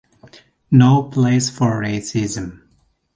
No place for racism.